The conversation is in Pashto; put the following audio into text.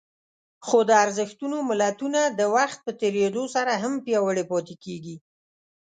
خو د ارزښتونو ملتونه د وخت په تېرېدو سره هم پياوړي پاتې کېږي.